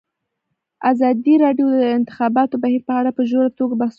ازادي راډیو د د انتخاباتو بهیر په اړه په ژوره توګه بحثونه کړي.